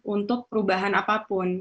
untuk perubahan apapun